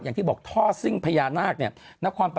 อย่างที่บอกท่อซิ่งพญานักในนครป